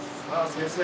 先生